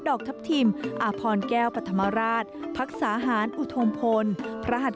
ดอกทัพถิ่มอาพรแก้วปัธมาราชพรรคสาหารอุธมพลพระหัด